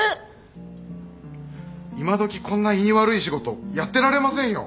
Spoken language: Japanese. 今どきこんな胃に悪い仕事やってられませんよ。